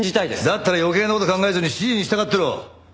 だったら余計な事考えずに指示に従ってろ！